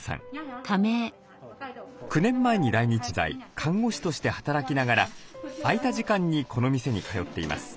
９年前に来日し現在看護師として働きながら空いた時間にこの店に通っています。